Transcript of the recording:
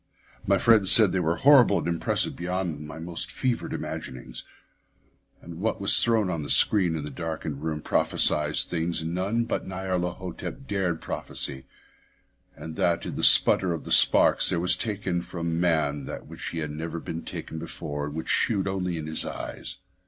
My friend said they were horrible and impressive beyond my most fevered imaginings; that what was thrown on a screen in the darkened room prophesied things none but Nyarlathotep dared prophesy, and that in the sputter of his sparks there was taken from men that which had never been taken before yet which shewed only in the eyes.